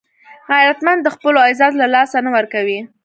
غیرتمند د خپلو عزت له لاسه نه ورکوي